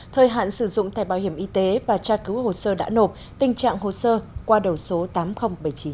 thời hạn sử dụng thẻ bảo hiểm y tế và tra cứu hồ sơ đã nộp tình trạng hồ sơ qua đầu số tám nghìn bảy mươi chín